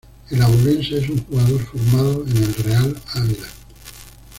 El abulense es un jugador formado en el Real Ávila.